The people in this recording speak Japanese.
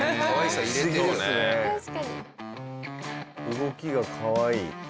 動きがかわいい。